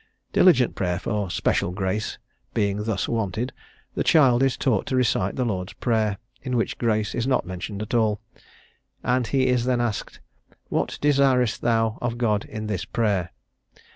Diligent prayer for special grace being thus wanted, the child is taught to recite the Lord's Prayer, in which grace is not mentioned at all, and he is then asked "What desirest thou of God in this prayer?"